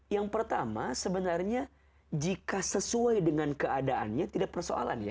yang pertama sebenarnya jika sesuai dengan keadaannya tidak persoalan ya